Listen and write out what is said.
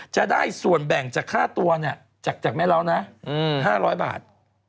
จะได้ส่วนแบ่งจากค่าตัวเนี่ยจากแม่เรานะ๕๐๐บาท